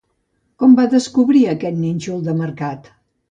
Com va descobrir aquest nínxol de mercat?